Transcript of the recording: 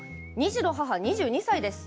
２児の母、２２歳です。